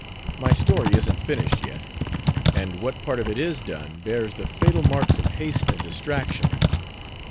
My story isn't finished yet, and what part of it is done bears the fatal marks of haste and distraction.